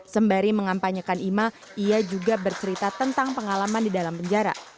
sembari mengampanyakan ima ia juga bercerita tentang pengalaman di dalam penjara